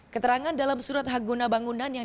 keterangan dalam surat hak guna bangunan yang